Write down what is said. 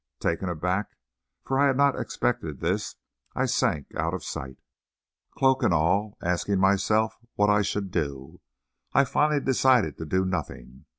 Taken aback, for I had not expected this, I sank out of sight, cloak and all, asking myself what I should do. I finally decided to do nothing.